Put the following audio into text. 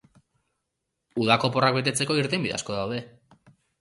Udako oporrak betetzeko irtenbide asko daude.